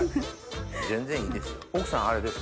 全然いいですよ。